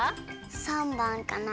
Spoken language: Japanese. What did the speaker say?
３ばんかな。